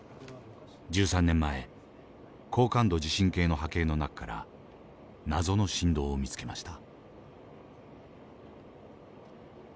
１３年前高感度地震計の波形の中から謎の震動を見つけました。